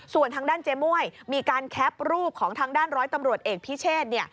ส่วนทางด้านเจ๊ม่วยมีการแคปรูปของทางด้านร้อยตำรวจเอกพิเชษเนี่ย